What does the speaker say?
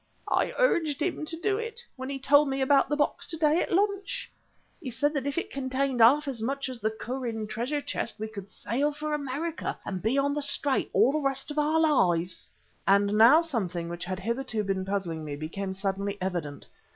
I urged him to do it, when he told me about the box to day at lunch. He said that if it contained half as much as the Kûren treasure chest, we could sail for America and be on the straight all the rest of our lives...." And now something which had hitherto been puzzling me became suddenly evident.